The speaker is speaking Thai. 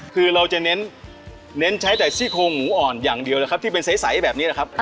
คือเราจะเน้นใช้แต่ซี่โครงหมูอ่อนอย่างเดียวนะครับที่เป็นใสแบบนี้นะครับ